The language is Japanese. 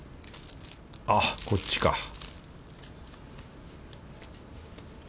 あっこっちか